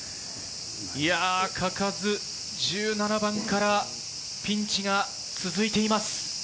嘉数、１７番からピンチが続いています。